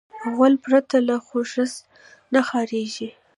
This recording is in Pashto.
غول پرته له خوځښته نه خارجېږي.